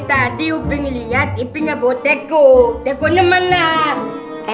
tadi kan poki sama poki ngomong disini